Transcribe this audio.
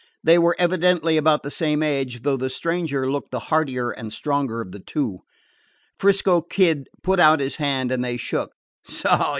They were evidently about the same age, though the stranger looked the heartier and stronger of the two. 'Frisco Kid put out his hand, and they shook.